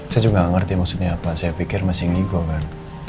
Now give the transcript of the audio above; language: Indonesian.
saya juga nggak ngerti maksudnya apa saya pikir masih ngo kan